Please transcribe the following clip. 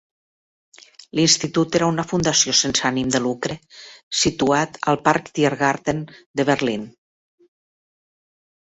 L'Institut era una fundació sense ànim de lucre situat al parc Tiergarten de Berlín.